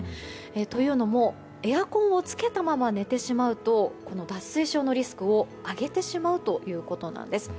というのも、エアコンをつけたまま寝てしまうと脱水症のリスクを上げてしまうということなんです。